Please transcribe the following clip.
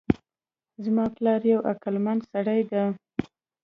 زما پلار یو عقلمند سړی ده